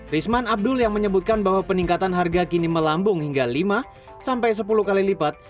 risman abdul yang menyebutkan bahwa peningkatan harga kini melambung hingga lima sampai sepuluh kali lipat